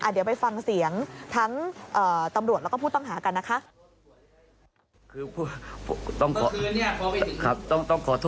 เดี๋ยวไปฟังเสียงทั้งตำรวจแล้วก็ผู้ต้องหากันนะคะ